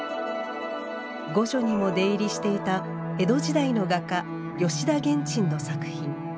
御所にも出入りしていた江戸時代の画家吉田元陳の作品。